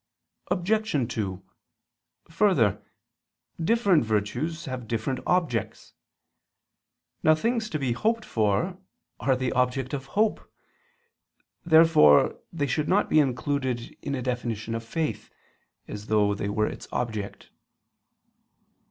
Obj. 2: Further, different virtues have different objects. Now things to be hoped for are the object of hope. Therefore they should not be included in a definition of faith, as though they were its object.